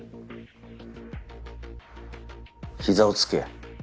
膝をつけ。